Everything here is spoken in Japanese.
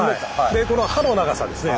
でこの刃の長さですね